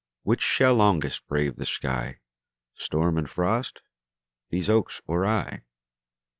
Which shall longest brave the sky, Storm and frost these oaks or I?